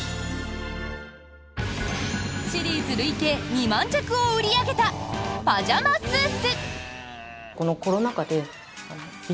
シリーズ累計２万着を売り上げたパジャマスーツ。